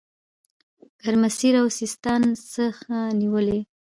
ګرمسېر او سیستان څخه نیولې.